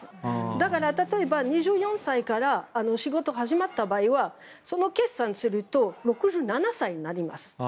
だから、例えば２４歳から仕事が始まった場合はその計算をすると６７歳になります。